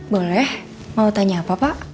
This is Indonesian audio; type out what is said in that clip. boleh mau tanya apa pak